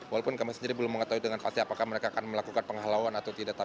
walaupun kami sendiri belum mengetahui dengan pasti apakah mereka akan melakukan penghalauan atau tidak